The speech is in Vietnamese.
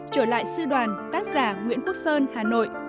trở lại sư đoàn tác giả nguyễn quốc sơn hà nội